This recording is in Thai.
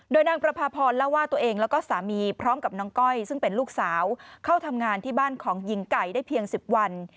โดยนางประพาพรเล่าว่าตัวเองแล้วก็สามีพร้อมกับน้องก้อยซึ่งเป็นลูกสาวเข้าทำงานที่บ้านของหญิงไก่ได้เพียง๑๐วัน